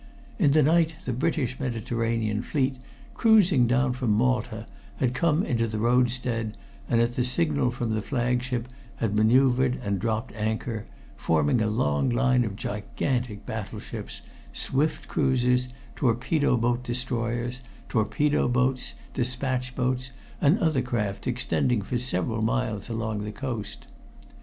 In the night the British Mediterranean fleet, cruising down from Malta, had come into the roadstead, and at the signal from the flagship had maneuvered and dropped anchor, forming a long line of gigantic battleships, swift cruisers, torpedo boat destroyers, torpedo boats, despatch boats, and other craft extending for several miles along the coast.